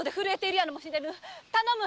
頼む！